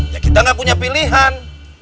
ya kita gak punya pilihan